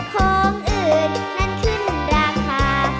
ของอื่นนั้นขึ้นราคา